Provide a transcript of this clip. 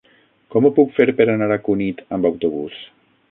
Com ho puc fer per anar a Cunit amb autobús?